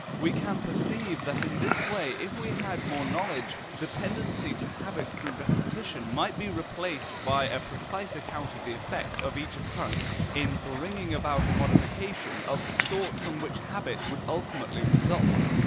We can perceive that in this way, if we had more knowledge, the tendency to habit through repetition might be replaced by a precise account of the effect of each occurrence in bringing about a modification of the sort from which habit would ultimately result.